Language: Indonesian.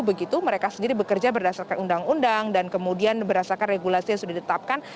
begitu mereka sendiri bekerja berdasarkan undang undang dan kemudian berdasarkan regulasi yang sudah ditetapkan